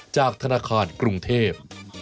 จากธนาคารกรุงเทพ